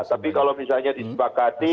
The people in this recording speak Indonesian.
tapi kalau misalnya disepakati